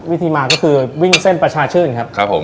วิธีมาก็คือวิ่งเส้นประชาชื่นครับครับผม